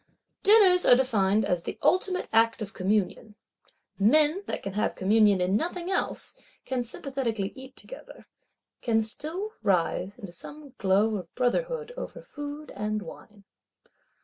Dinners are defined as "the ultimate act of communion;" men that can have communion in nothing else, can sympathetically eat together, can still rise into some glow of brotherhood over food and wine.